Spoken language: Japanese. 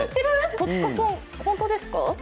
戸塚さん、本当ですか。